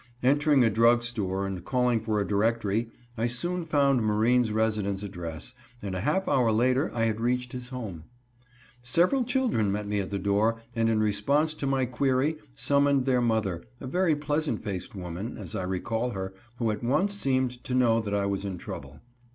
Entering a drug store, and calling for a directory, I soon found Marine's residence address, and a half hour later I had reached his home. Several children met me at the door, and in response to my query, summoned their mother, a very pleasant faced woman, as I recall her, who at once seemed to know that I was in trouble.